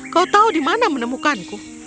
kau tahu di mana menemukanku